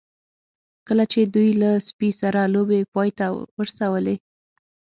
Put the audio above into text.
کله چې دوی له سپي سره لوبې پای ته ورسولې